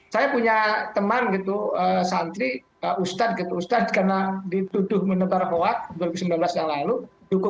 saya punya teman gitu santri ustadz karena dituduh menebar hoax dua ribu sembilan belas yang lalu